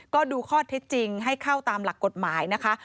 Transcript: ก็ดูข้อเท็จจริงให้เข้าตามหลักกฎหมายนะคะ